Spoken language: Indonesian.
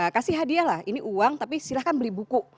kasih hadiah lah ini uang tapi silahkan beli buku